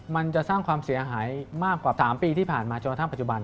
มันจะสร้างความเสียหายมากกว่า๓ปีที่ผ่านมาจนกระทั่งปัจจุบัน